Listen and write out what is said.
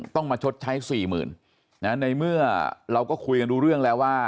ต้องมาชดใช้สี่หมื่นนะในเมื่อเราก็คุยกันรู้เรื่องแล้วว่า